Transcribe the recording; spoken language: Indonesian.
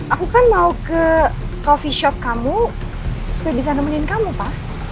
aku kan mau ke coffee shop kamu supaya bisa nemenin kamu pak